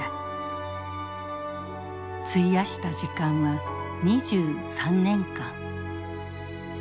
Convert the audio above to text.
費やした時間は２３年間。